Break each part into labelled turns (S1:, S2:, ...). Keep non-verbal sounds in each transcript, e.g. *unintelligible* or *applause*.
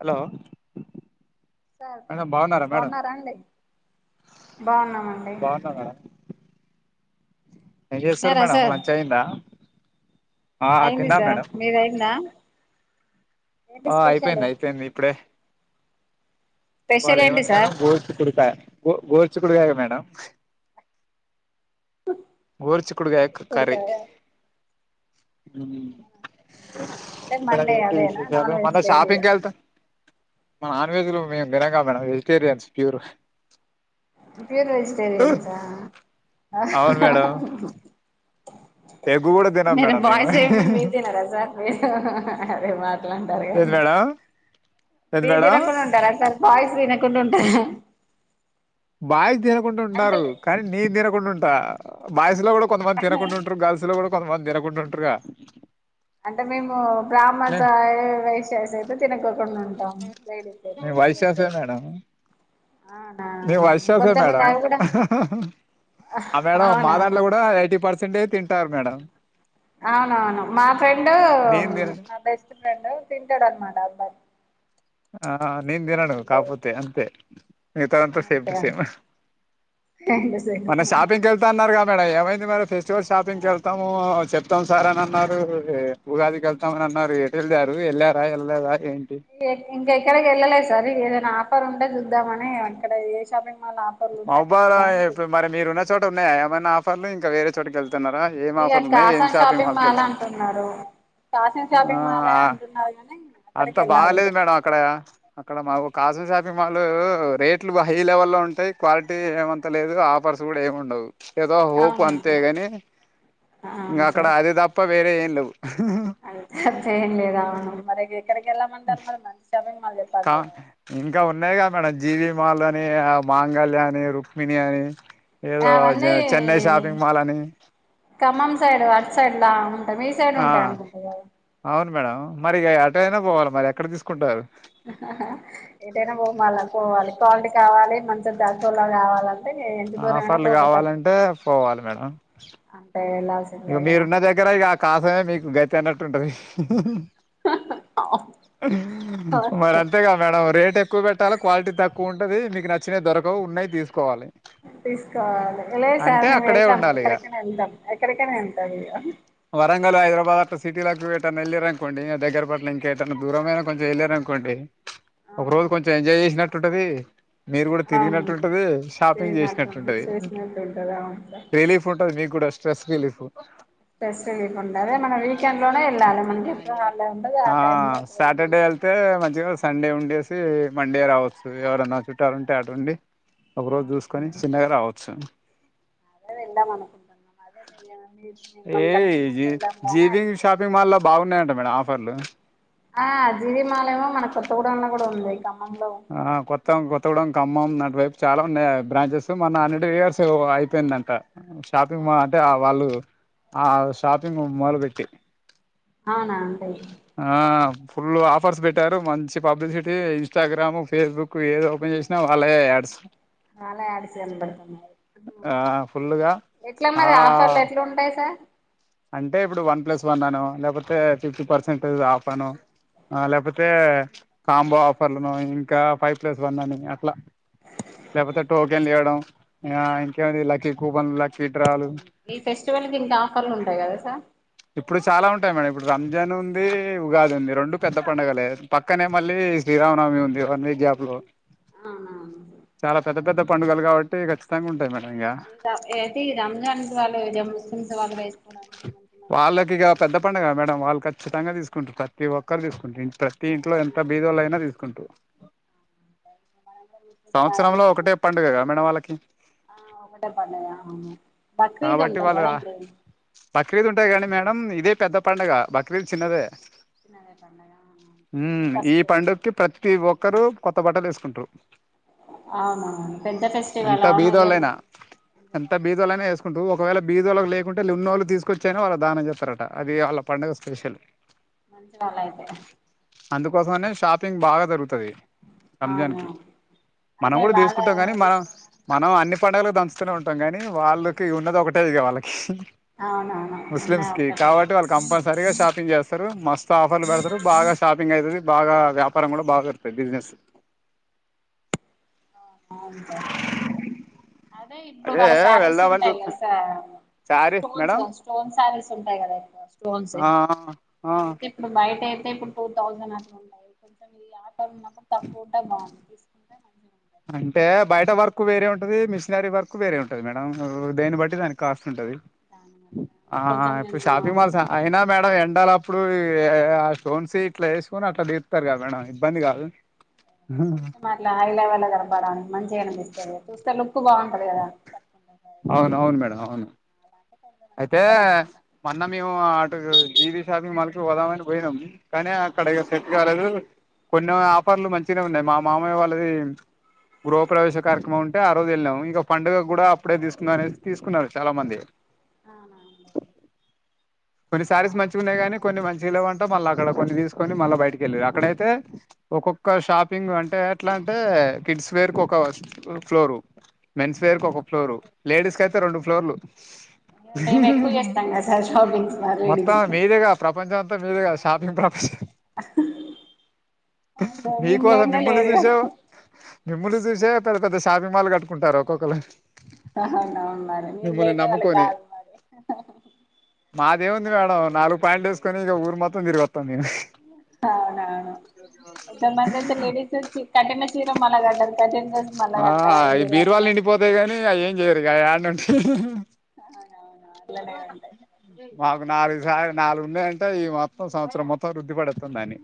S1: Hello
S2: sir
S1: madam బాగున్నారా madam
S2: బాన్నారా అండి బాగున్నామండీ
S1: బాగున్నా మేడం ఏం చేస్తున్నారు మేడం
S2: సార్
S1: లంచ్ అయిందా ఆ
S2: అయింది
S1: తిన్నా
S2: సార్
S1: మేడం
S2: మీది అయిందా ఏంటి
S1: ఆ
S2: స్పెషల్
S1: అయిపోయిది అయిపోయింది ఇప్పుడే ఇవాళ
S2: స్పెషల్
S1: ఏ
S2: ఏంటి
S1: వంట మేడం
S2: సార్
S1: గోరు చిక్కుడుకాయ గోర్ గొరు చిక్కుడుగాయ మేడం గోరు చిక్కుడుగాయ క కర్రీ
S2: చిక్కుడుకాయ అంటే
S1: మేడమ్
S2: మండే
S1: ఏంటి
S2: అదేనా
S1: విశేషాలు
S2: నాన్ వెజ్
S1: మన
S2: లేదు ఇగ
S1: షాపింగ్ కి ఎళ్తా మ నాన్ వెజ్ లు మేమ్ తినం గా madam vegetarians pure
S2: pure vegetarians ఆ
S1: అవును మేడం ఎగ్ కూడా తినం
S2: మీరు
S1: మేడం మేము
S2: బాయ్స్ అయ్యుండి మీరు తినరా సార్ మీరు అరే మా అంటారు
S1: ఏది
S2: గాని
S1: మేడం ఏది
S2: మీరు
S1: మేడం
S2: తినకుండ ఉంటారా సార్ బాయ్స్ తిన కుండ ఉంటార
S1: బాయ్స్ తినకుండ ఉంటారు కానీ నేను తినకుండా ఉంటా బాయ్స్ లో కూడా కొంతమంది తినకుండా ఉంట్రు గాల్స్ లో కూడా కొంతమంది తినకుండ ఉంట్రుగా
S2: అంటే మేము బ్రాహ్మన్స్ ఆ వైశ్యాస్ అయితే తినకో కుండ ఉంటాం లేడీస్ అయితే జెంట్స్ అయితే అవునా
S1: మేము వైశ్యాస్ ఏ
S2: కొంతమంది
S1: మేడం
S2: అవి కూడా
S1: ఆ మేడం మా
S2: అవునా
S1: దాంట్లో కూడా ఎయిటీ పర్సెంట్ ఏ తింటారు మేడం
S2: అవునఅవును మా ఫ్రెండు
S1: నేను తినను
S2: నా బెస్ట్ ఫ్రెండ్ తింటాడు అన్నమాట ఆ అబ్బాయి
S1: ఆ నేను దినను
S2: స్టూడెంట్
S1: కాపోతే అంతే మిగతాదంతా సేమ్
S2: అంతే
S1: టు సేమ్
S2: అంట
S1: మొన్న షాపింగ్ కి ఎళ్తా అన్నరుగా మేడం ఏమైంది మేడం ఫెస్టివల్ షాపింగ్ కి ఎళ్తాము చెప్తాం సార్ అని అన్నారు ఉగాదికి ఎళ్తాం అని అన్నారు ఏటెళ్ళారు ఎళ్ళార ఎళ్ళ లేదా ఏంటి
S2: ఇంకా ఎక్కడికి వెళ్ళలేదు సార్ ఏదైనా ఆఫర్ ఉంటే చూద్దామని ఇక్కడ ఏ షాపింగ్ మాల్ ఆఫర్లు ఉంటే అక్కడికి
S1: ఆఫరా
S2: వెళ్దామని
S1: ఇప్పుడు
S2: చూద్దాం
S1: మరి మీరు ఉన్న చోట ఉన్నాయా ఏమైనా ఆఫర్లు ఇంకా వేరే చోటికి ఎళ్తున్నారా ఏం
S2: ఇక
S1: ఆఫర్లు ఉన్నాయి ఏం
S2: కాసన్
S1: షాపింగ్ మాల్ కి ఎళ్తున్నారు
S2: అంటున్నారు కాసన్
S1: ఆ
S2: షాపింగ్ మాల్ అంటున్నారు కానీ అక్కడికి
S1: అంత
S2: వెళ్ళాలి ఇక
S1: బాలేదు మేడం అక్కడ అక్కడ మాకు కాసు షాపింగ్ మాలు రేట్లు హై లెవెల్లో ఉంటాయి క్వాలిటీ ఏమంత లేదు ఆఫర్స్ కూడా ఏమ్ ఉండవు ఏదో హోప్ అంతే
S2: అవునండి
S1: గాని ఇంకా
S2: అవును
S1: అక్కడ అది తప్ప వేరే ఏం లేవు
S2: అంత అంతేం లేదా మరి ఎక్కడికి ఎళ్ళామంటారు మరి మంచి షాపింగ్ మాల్
S1: క
S2: చెప్పాలి మీరు
S1: ఇంకా ఉన్నాయి గా మేడం జీవి ఇ మాలని మాంగళ్య అని రుక్మిణి అని
S2: ఆ
S1: ఏదో జ
S2: వన్నీ
S1: చెన్నై షాపింగ్ మాల్ అని
S2: ఖమ్మం సైడ్ అటు సైడ్ ల్లా
S1: ఆ అవును మేడం మరి ఇగ అటు అయినా పోవాలి మరి ఎక్కడ తీసుకుంటారు
S2: ఏటైనా పోమల్ల పోవాలి క్వాలిటీ కావాలి మంచి తక్కులా గావాల ఎందుకు రాన
S1: ఆఫర్లు
S2: పోక తప్పదు
S1: కావాలంటే పోవాలి మేడం
S2: అంటే
S1: ఇక
S2: వెళ్ళాల్సిందే కదా
S1: మీరున్న దగ్గర ఇక కాసమే మీకు గతి అన్నట్టు ఉంటది మరి అంతే గా మేడం రేట్ ఎక్కువ పెట్టాలి క్వాలిటీ తక్కువ ఉ ఉంటది మీకు నచ్చినీ దొరకవ్ ఉన్నయ్ తీసుకోవాలె
S2: తీసుకోవాలి లేదు సార్ మేము
S1: అక్కడే
S2: ఎళ్తాం
S1: ఉండాలి ఇక
S2: ఎక్కడికైనా ఎళ్తాం ఎక్కడకి ఇక్కడే ఉంటాది ఇగ
S1: పాత సిటీలకు ఎటైనా ఎళ్ళిరనుకోండి దగ్గర పని ఇంకేటైనా దూరమైనా పని చేయలేరనుకోండి ఒక
S2: అవును
S1: రోజు కొంచెం ఎంజాయ్ చేసినట్టు ఉంటది మీరు కూడా
S2: అవును
S1: తిరిగినట్టు ఉంటది షాపింగ్
S2: తిరిగినట్టు
S1: చేసినట్టు ఉంటది
S2: చూసినట్టు ఉంటది అవును సార్
S1: రిలీఫ్ ఉంటది మీకు కూడా స్ట్రెస్ రిలీఫు
S2: ఫెస్ట్ వీక్ ఉండదు మనం వీకెండ్ లోనే వెళ్ళాలి మనకి ఎప్పుడు హాలిడే ఉండదు
S1: ఆ
S2: టైమ్ లో
S1: ఆ
S2: ఒక రోజు ముందు
S1: సాటర్డే
S2: వెళ్తే
S1: ఎళ్తే మంచిగా సండే ఉండేసి మండే రావచ్చు ఎవరన్నా చుట్టాలు ఉంటే అటు ఉండి ఒక రోజు జూసుకొని
S2: అవునండి
S1: చిన్నగా రావచ్చు
S2: అదే వెళ్ళాం అనుకుంటున్నాం అదే మిమ్మల్ని
S1: ఏ
S2: కనుకున్నాక
S1: జి
S2: వెళ్దాంలే అని
S1: జీవింగ్
S2: ఆగినం
S1: షాపింగ్ మాల్లో బాగున్నాయ్ అంట మేడం ఆఫర్లు
S2: ఆ అ జీవిమాలేమో మనకు తోడాన్ లో కూడా ఉంది ఇక
S1: ఆ కొత్తామ్ కొ తుడం ఖమ్ం నటు వైపు చాలా బ్రాంచెస్ మొన్న హండ్రెడ్ ఇయర్స్ అయిపోయిందంట ఆ షాపింగ్ మాల్ అంటే ఆ వాళ్ళు ఆ షాపింగ్ మాల్ పెట్టి
S2: అవునా అంటాయి
S1: ఫుల్ ఆఫర్స్ పెట్టారు మంచి పబ్లిసిటీ ఇన్స్టాగ్రామ్ ఫేస్బుక్ ఏది ఓపెన్ చేసినా వాళ్ళే ఏ యాడ్స్
S2: చాలా యాడ్స్ ఏం పెడుతనావు
S1: ఆ ఫుల్గా
S2: ఇక్కడ ఎట్లా మరి ఆఫర్లు
S1: ఆ
S2: ఎట్లు ఉంటాయి సార్
S1: అంటే ఇప్పుడు వన్ ప్లస్ వన్ అను లేకపోతే ఫిఫ్టీ పర్సెంటేజ్ ఆఫ్ అను ఆ లేకపోతే కాంబో ఆఫర్లను ఇంకా ఫైవ్ ప్లస్ వన్ అని అట్లా లేకపోతే టోకెన్ ఇయ్యడం ఆ ఇంకేంది లక్కీ కూపన్ లకు
S2: ఈ ఫెస్టివల్ కి ఇంత ఆఫర్లు ఉంటాయి కదా సార్
S1: ఇప్పుడు చాలా ఉంటాయి మేడం ఇప్పుడు రంజాన్ ఉంది ఉగాది ఉంది రెండు పెద్ద పండుగలే పక్కనే మళ్ళీ శ్రీ రా రామనవమి ఉంది వన్ వీక్ గ్యాబ్ లో
S2: ఆ
S1: చాలా పెద్ద పెద్ద పండుగలు కాబట్టి ఖచ్చితంగా ఉంటాయి మేడం ఇక
S2: ఉంటా ఏది రంజాన్ వాళ్ళు ఇదే ముస్లిమ్స్ వాళ్ళు వేసు
S1: వాళ్ళకి ఇక పెద్ద పండుగ కదా మేడం వాళ్ళు ఖచ్చితంగా తీసుకుంటారు ప్రతి ఒక్కరు తీసుకుంటారు ప్రతి ఇంట్లో ఎంత బీదోల్లైన తీసుకుంటూరు
S2: మనం కూడా చూసినప్పుడు బాగా
S1: సంవత్సరంలో
S2: మంచి
S1: ఒకటే
S2: మంచి
S1: పండుగ గా మేడం వాళ్ళకి
S2: ఆ ఒకటే పండుగ బక్రీదు
S1: కాబట్టి
S2: ఉంటాది
S1: వాళ్ళు
S2: కదండి
S1: బక్రీద్ ఉంటాయి కానీ మేడం ఇదే పెద్ద పండుగ బక్రీద్ చిన్నదే
S2: చిన్నదే పండగ
S1: ఉ
S2: ఇదే
S1: ఈ
S2: ఫస్ట్
S1: పండుగకి ప్రతి ఒక్కరు కొత్త బట్టలు వేసుకుంటట్రూ
S2: అవునవును పెద్ద ఫెస్టివల్
S1: ఎంత
S2: అవునా ఇయం
S1: బీదోళ్ళైనా ఎంత బిదోళ్లు అయినా వేసుకుంటారు ఒకవేళ బీదోళ్లకు లేకుంటే ఉన్నాల్లో తీసుకొచ్చి అయినా వాళ్ళ కు దానం చేస్తారట అది వాళ్ళ పం డుగ స్పెషల్
S2: మంచి వాళ్ళు అయితే
S1: అందుకోసం అనే షాపింగ్ బాగా జరుగుతది రంజాన్
S2: అవును
S1: కి మనం
S2: అదే
S1: కూడా
S2: వాళ్ళ
S1: తీసుకుంటాం కానీ మనం మనం అన్ని పండుగలు దంచుతూనే ఉంటాం గానీ వాళ్ళకి ఉన్నది ఒకటేదిగా వాళ్ళకి
S2: అవునవును
S1: ముస్లిమ్స్
S2: ఉన్నాయి
S1: కి
S2: ఒక్కటే
S1: కాబట్టి వాళ్ళు కంపల్సరీగా షాపింగ్ చేస్తారు మస్తు ఆఫర్లు పెడతారు బాగా బర్ షాపింగ్ అయితది బాగా వ్యాపారం కూడా బాగా అత్తది బిజినెస్
S2: నా అవున్ డా అదే ఇప్పుడు వాళ్ళ శారీస్
S1: వెళ్దామని
S2: ఉంటాయి
S1: చూస్తా
S2: కదా sir
S1: sari
S2: stones
S1: madam
S2: stones saris ఉంటాయి కదా ఎక్కువ స్టోన్స్
S1: ఆ ఆ
S2: అవి అయితే ఇప్పుడు బయట ఏరు టే ఇప్పుడు టూ థౌజండ్ అట్లా ఉన్నాయి కొంచెం ఈ ఆటో లో ఉన్నప్పుడు తక్కువ ఉంటే బాగుండు తీసుకుంటే మంచి గున్
S1: అంటే బయట వర్క్ వేరే ఉంటది మిషినరీ వర్క్ వేరే ఉంటది మేడం ఓ దేన్ని బట్టి దానికి కాస్ట్ ఉంటది
S2: దాని బట్టి అంటే
S1: ఆ
S2: కొంచెం
S1: ఇప్పుడు
S2: మేము
S1: షాపింగ్ మాల్స్ అయినా మేడం ఎన్ డాలు అప్పుడు ఏ ఆ స్టోన్స్ ఇట్లా వేసుకొని అట్లా తీతారు కదా మేడం ఇబ్బంది కాదు
S2: కొంచెం అట్లా హై లెవెల్ కనపడడానికి మంచిగా అనిపిస్తది చూస్తే లుక్ బాగుంటది కదా కట్టుకుంటారు కదా
S1: అవును అవును మేడం అవును
S2: అంటే కొంతమంది
S1: అయితే
S2: ఇష్టం అన్నమాట.
S1: మొన్న మేము అటు జీవీ షాపింగ్ మాల్ కు పోదామని పోయినాం కానీ అక్కడ ఇగ సెట్ కాలేదు కొన్ని ఆఫర్లు మంచిగానే ఉన్నాయి మా మామయ్య వాళ్ళది గృహ ప్రవేశ కార్యక్రమం ఉంటే ఆ రోజు వెళ్ళాము ఇంక పండుగ కూడా అప్పుడే తీసుకుందాం అనేసి తీసుకున్నారు చాలా మంది కొన్ని సారీస్ మంచిగా ఉన్నాయి కానీ కొన్ని మంచిగా లేవంట మళ్ళీ అక్కడ కొన్ని తీసు కొన్ని మళ్ళా బయటికెళ్ళి అక్కడ అయితే ఒక్కొక్క షాపింగ్ అంటే ఎట్లా అంటే కిడ్స్ వేర్ కు ఒక ఫ్లోరు మెన్స్ పేరుకు ఒక ఫ్లోరు లేడీస్ కి అయితే రెండు ఫ్లోర్లు
S2: ఇగ మేము ఎక్కువ చేస్తాం కదా సార్ షాపింగ్స్ మా లేడీస్
S1: మొత్తం మీదేగా ప్రపంచం అంతా మీదేగా షాపింగ్ ప్రపంచం
S2: అవును సార్
S1: నీ
S2: మేము
S1: కోసం
S2: లేనిదే
S1: మిమ్మల్ని
S2: లేదు
S1: చూసా
S2: కదా
S1: మిమ్మల్ని చూసా జే పెద్ద పెద్ద షాపింగ్ మాల్ కట్టుకుంటారు ఒక్కొక్కలు అయితే
S2: తా హాండ ఉన్నారు నేను లేక అల్లకు
S1: నమ్ముకొని
S2: గాదు మరి
S1: అది ఏం ఉంది మేడం నాలుగు పాంట్లు వేసుకని ఇక ఊరు మొత్తం తిరుగచ్చు
S2: అవునా ఇంకా మనదైతే లేడిస్ వచ్చి కట్టిన చీర మల్ల కట్టరు, కట్టిన డ్రెస్ మల్ల
S1: ఆ
S2: కట్ట
S1: ఈ
S2: హరో
S1: బీరువాలు నిండిపోతాయి గని అయి ఏం చేయరు, ఆ యాడనే ఉంటాయి
S2: అవునవును అట్లనే ఉంటాయి
S1: మాకు నాలుగు సారి నాలుగు ఉన్నాయంటే, ఈ మొత్తం సంవత్సరం మొత్తం రుద్ధి పడెత్ ఇత్తందని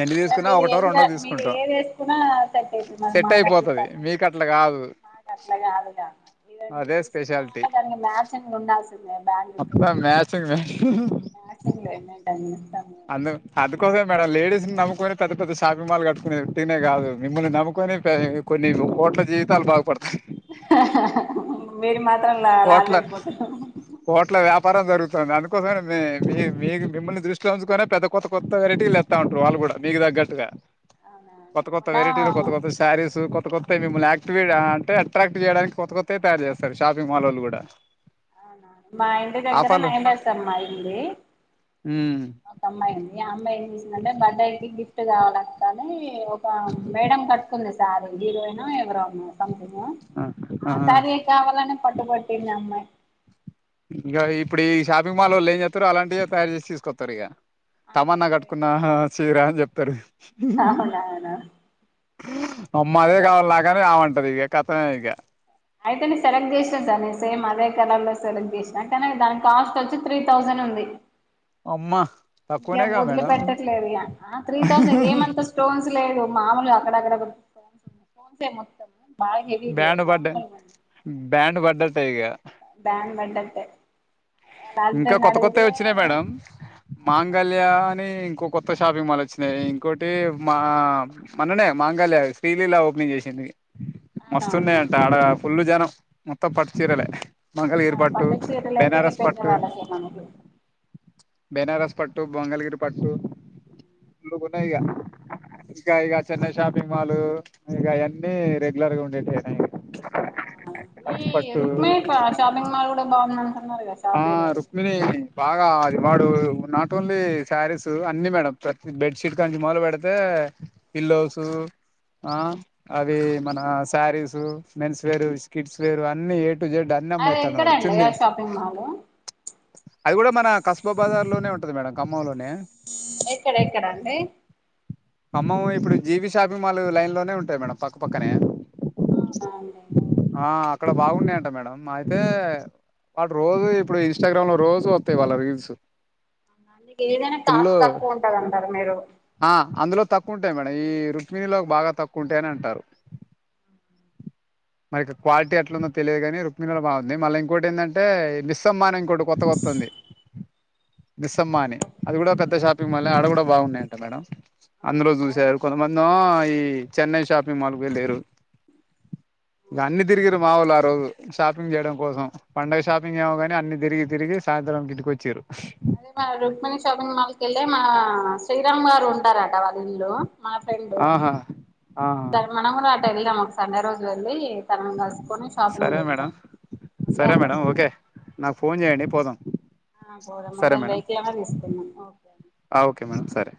S1: ఎన్ని
S2: అంటే
S1: తీసుకున్నా
S2: మీరు
S1: ఒకటో
S2: ఏది కా
S1: రెండో
S2: మీరు
S1: తీసుకుంటాం,
S2: ఏది వేసుకున్నా సెట్ అవుతుంది
S1: సెట్ అయిపోతది మీకు అట్ల కాదు.
S2: నాకు అట్లా కాదుగా ఇవన్న
S1: అదే
S2: తీసుకుందామంటే
S1: స్పెషాలిటీ
S2: చన్ ఉండాల్సిందే బ్యాంగిల్స్
S1: మొత్తం మ్యాచింగ్ మ్యాచింగ్
S2: *unintelligible*
S1: అందు అందుకోసమే మేడమ్ లేడీస్ ని నమ్ముకొని పెద్ద పెద్ద షాపింగ్ మాల్ కట్టుకునేది, ఉత్తిగనే కాదు మిమ్ల్ని నమ్ముకొని కొన్ని రూ కోట్ల జీవితాలు బాగు పడు
S2: మీరు మాత్రం లా లాస్ అయిపోతారు.
S1: పరం జరుగుతాంది అందుకోసమే నీ మీ మీక్ మిమ్మల్ని దృష్టి చుసుకొనే పెద్ద కొత్త కొత్త వెరైటీలు తెత్త ఉంటరు వాళ్ళ కూడా మీకు దగ్గట్టుగా.
S2: అవునవును
S1: కొత్త కొత్త
S2: మొన్న
S1: వెరైటీలు, కొత్త కొత్త సారీస్, కొత్ కొత్త కొత్జై మిమ్మల్ని ఆక్టివేటా అంటే అట్రాక్ట్ చేయడానికి కొత్త కొత్త తయారు చేస్తారు షాపింగ్ మాలోల్లు కూడా.
S2: అవునా మా ఇంటి దగ్గర
S1: ఆఫర్లు
S2: నైనసమ్మా అయింది.
S1: హ్మ్
S2: ఒక అమ్మాయి ఉంది, ఆ అమ్మాయి ఏం చేసిందంటే బర్త్డే కి గిఫ్ట్ కావాలా కానీ ఒక మేడం కట్టుకుంది సార్ హీరోయినో, ఎవరో ఆ సారీ ఏ కావాలని పట్టుబట్టింది అమ్మాయి.
S1: ఇంక ఇప్పుడు ఈ షాపింగ్ మాల్ వాళ్ళు ఏం చేత్తరు అలాంటియే తయారు చేసి తీసుకొత్తారు ఇగ. తమన్నా కట్టుకున్న ఆ చీర అని చెప్తరు.
S2: అవునవును
S1: అమ్మా అదే
S2: అయితే
S1: కావాలి నాకని ఆమంటది ఇగ కథమే ఇగ.
S2: అయితే నేను సెలెక్ట్ చేసిన సార్ నేను సేమ్ అదే కలర్ సెలెక్ట్ చేసినా, కానీ దానికి కాస్ట్ వచ్చి త్రీ థౌసండ్ ఉంది.
S1: అమ్మా
S2: ఇగ వదిలి పెట్టట్లేదు ఇగ త్రీ థౌసండ్, ఏమంత స్టోన్స్ లేదు. మామలుగ అక్కడ అక్కడ స్టోన్సే మొత్తం. బాగా హెవీ లేదు
S1: బ్యాండు బడ్డ,
S2: మామూలుగా
S1: బ్యాండు బడ్డట్టే ఇగ
S2: బ్యాండ్ బడ్డట్టే
S1: ఇంకా కొత్త కొత్త వచ్చినయి మేడం,
S2: అవునా
S1: మాంగళ్యా అని ఇంక్ ఇంకో కొత్త షాపింగ్ మాల్ వచ్చినయి, ఇంకోటి మా మొన్ననే మాంగళ్యా శ్రీలీలా ఓపెనింగ్ చేసింది. మస్తున్నయి
S2: అవునవును
S1: అంట ఆడ ఫుల్లు జనం, మొత్తం పట్టు చీరలే మంగళగిరు పట్టు,
S2: చీరలు అయితే ఇక
S1: బెనారస్ పట్టు,
S2: పెద్దవాళ్ళకే
S1: బెన
S2: మనకి
S1: బనారస్ పట్టు, బొంగల్గిరి పట్టు గున్నాయిగ ఇంకా ఇగ చెన్నై షాపింగ్ మాలు, ఇగ ఇయన్ని రెగ్యులర్ గా ఉండేటియేనాయే.
S2: ఈ
S1: పట్టు
S2: రుక్మి షాపింగ్ మాల్ కూడా బాగుంది అంటున్నారు కదా
S1: ఆ
S2: షాప్ ఏదో
S1: రుక్మిణి బాగా వాడు నాట్ ఓన్లీ శారీస్, అన్ని మేడం ప్రతి బెడ్షీట్ కాంచి మొదలు పెడితే. పిల్లోసు ఆ అవి మన శారీసు, మెన్స్ వేరు, స్కిట్స్ వేరు అన్ని ఏ జడ్
S2: అది
S1: అన్నమ్మేతాండు వాడు,
S2: ఎక్కడండి
S1: చున్ని
S2: ఆ షాపింగ్ మాల్
S1: అది కూడా మన కస్బా బజార్ లోనే ఉంటది మేడం, ఖమ్మంలో లోనే
S2: ఎక్కడ ఎక్కడండి
S1: ఖమ్మము ఇప్పుడు జీవి షాపింగ్ మాల్ లైన్ లోనే ఉంటయి మేడం, పక్కపక్కనే
S2: అవునా
S1: ఆ అక్కడ బాగున్నాయంట మేడం, మా అయితే వాడు రోజు ఇప్పుడు ఇంస్టాగ్రామ్ లో రోజు వత్తాయి వాళ్ళ రీల్స్.
S2: ఏదైనా
S1: ఫుల్
S2: కాస్ట్ తక్కువ ఉంటది అంటారూ మీరు.
S1: ఆ అందులో తక్కువ ఉంటాయి మేడం, ఈ రుక్మిణిలో బాగా తక్కువ ఉంటాయని అంటారు. *inaudible* మరి క్వాలిటీ ఎట్లుందో తెలియదు గాని రుక్మిణిల బాగుంది మళ్ళీ ఇంకోటి ఏంటంటే మిస్సమ్మని ఇంకోటి కొత్తగొత్తంది మిస్సమ్మ అని అది గూడా పెద్ద షాపింగ్ మాలే ఆడ గుడా బాగున్నాయంట మేడం అందులో జూసారు కొంతమందో ఈ చెన్నై షాపింగ్ మాల్కో యెళ్లిర ఇగ అన్ని తిరిగిరూ మావోళ్ళు ఆ రోజు షాపింగ్ చేయడం కోసం పండుగ షాపింగ్ ఏమోగానీ అన్ని తిరిగి తిరిగి సాయంత్రంకింటికొచ్చిర్రు
S2: అదే మా రుక్మిణి షాపింగ్ మాల్కెళ్ళి మా శ్రీరామ్ గారు ఉంటారంట వాళ్ళ ఇల్లు మా ఫ్రెండు
S1: ఆహా ఆ
S2: దాని మనం గూడా అటూ వెళ్దాం ఒక సండే రోజు వెళ్ళి తనని గలుసుకొని షాపింగ్
S1: సరే మేడం
S2: చేద్దాం అంతే
S1: సరే
S2: అంటారు
S1: మేడం
S2: కదా
S1: ఓకే నాకు ఫోన్ జేయండి పోదాం
S2: పోదాం
S1: సరే
S2: ఏదైనా
S1: మేడం
S2: వెహికల్ అన్నా తీసుకుందాం
S1: ఆ ఓకే మేడం సరే